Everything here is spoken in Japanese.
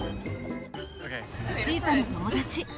小さな友達。